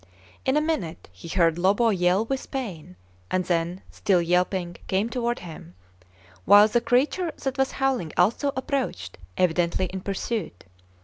In a minute he heard Lobo yell with pain, and then, still yelping, come toward him, while the creature that was howling also approached, evidently in pursuit.